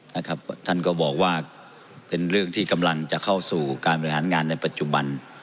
นะครับท่านก็บอกว่าเป็นเรื่องที่กำลังจะเข้าสู่การบริหารงานในปัจจุบัน